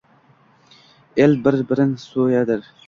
El bir-birin so’yadir.